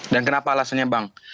dan kenapa alasannya bang